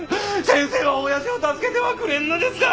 先生は親父を助けてはくれんのですか！